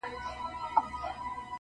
شپه پخه سي چي ویدېږم غزل راسي-